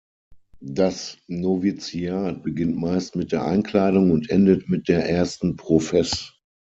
Das Noviziat beginnt meist mit der Einkleidung und endet mit der ersten Profess.